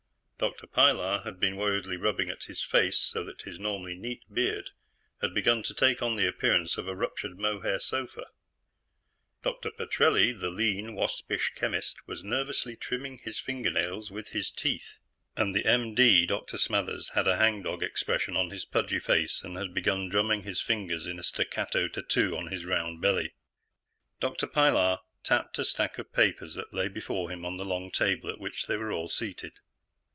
Dr. Pilar had been worriedly rubbing at his face, so that his normally neat beard had begun to take on the appearance of a ruptured mohair sofa; Dr. Petrelli, the lean, waspish chemist, was nervously trimming his fingernails with his teeth: and the M.D., Dr. Smathers, had a hangdog expression on his pudgy face and had begun drumming his fingers in a staccato tattoo on his round belly. Dr. Pilar tapped a stack of papers that lay before him on the long table at which they were all seated.